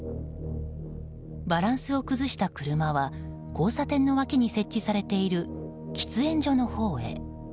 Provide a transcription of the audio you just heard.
バランスを崩した車は交差点の脇に設置されている喫煙所のほうへ。